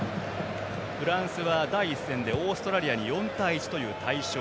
フランスは第１戦でオーストラリアに４対１と大勝。